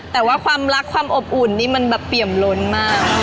แต่ว่าความรักความอบอุ่นนี่มันแบบเปี่ยมล้นมาก